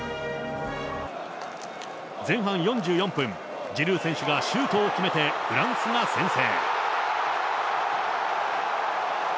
前半４４分、ジルー選手がシュートを決めてフランスが先制。